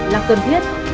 là cần thiết